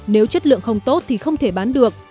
nếu chất lượng không tốt thì không thể bán được